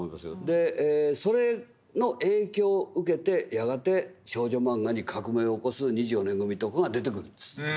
でそれの影響を受けてやがて少女漫画に革命を起こす２４年組とかが出てくるんです。